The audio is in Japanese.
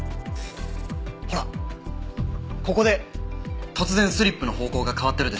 ほらここで突然スリップの方向が変わってるでしょ。